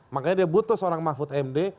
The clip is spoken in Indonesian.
makanya dia butuh seorang mahfud md